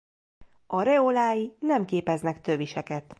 Areolái nem képeznek töviseket.